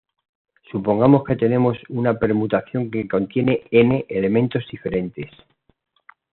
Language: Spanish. Supongamos que tenemos una permutación que contiene N elementos diferentes.